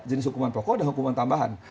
jenis hukuman pokok dan hukuman tambahan